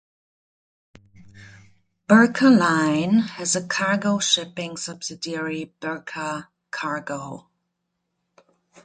Birka Line has a cargo-shipping subsidiary, Birka Cargo.